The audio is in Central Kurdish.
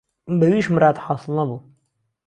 به ویش مراد حاسڵ نهبوو